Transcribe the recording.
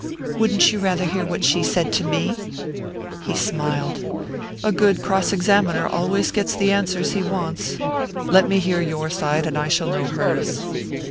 "Wouldn't you rather hear what she said to me?" He smiled. "A good cross examiner always gets the answers he wants. Let me hear your side, and I shall know hers."